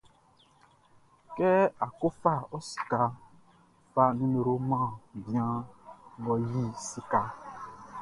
Kɛ á kɔ́ fa ɔ sikaʼn, fa ɔ nimeroʼn man bian ngʼɔ yi sikaʼn.